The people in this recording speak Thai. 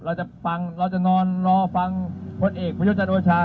เราจะฟังเราจะนอนรอฟังผลเอกประยุทธ์จันทร์โอชา